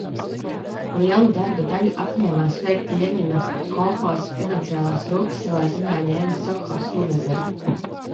"Lielu darba daļu apņēmās veikt Ļeņina kolhozs, finansiālās rūpes savā ziņā ņēma sovhozs "Lubezere"."